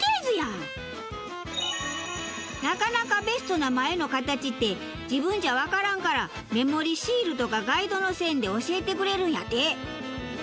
なかなかベストな眉の形って自分じゃわからんから目盛りシールとかガイドの線で教えてくれるんやて。